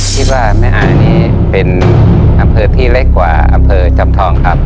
แม่อ่านี่เป็นอำเภอที่เล็กกว่าอำเภอจอมทองครับ